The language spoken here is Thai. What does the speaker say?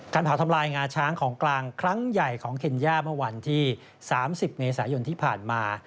เผาทำลายงาช้างของกลางครั้งใหญ่ของเคนย่าเมื่อวันที่๓๐เมษายนที่ผ่านมา